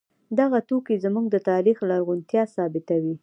دغه توکي زموږ د تاریخ لرغونتیا ثابتوي.